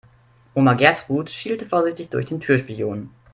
Oma Gertrud schielte vorsichtig durch den Türspion.